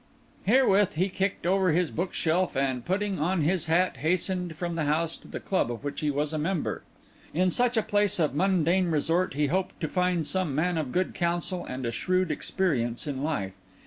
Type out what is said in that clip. Herewith he kicked over his book shelf and, putting on his hat, hastened from the house to the club of which he was a member. In such a place of mundane resort he hoped to find some man of good counsel and a shrewd experience in life.